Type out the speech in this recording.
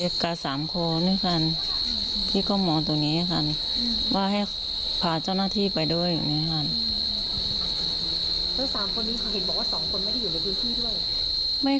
คือ่ะคือออแทดยนทินที่อออสัยหรือว่าพันเมืองจะออกมาตรงที่บ้านน้องจีน่าบางแม่